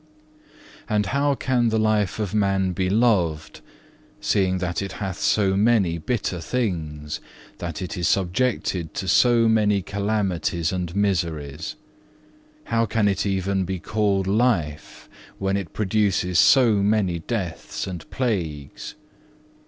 4. And how can the life of man be loved, seeing that it hath so many bitter things, that it is subjected to so many calamities and miseries. How can it be even called life, when it produces so many deaths and plagues?